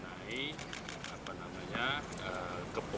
namanya kepengurusan kata saya masjid al falah